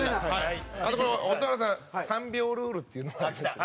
あと、蛍原さん、３秒ルールっていうのがありまして。